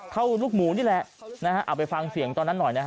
ลูกหมูนี่แหละนะฮะเอาไปฟังเสียงตอนนั้นหน่อยนะฮะ